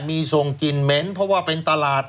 มีส่งกลิ่นเหม็นเพราะว่าเป็นตลาด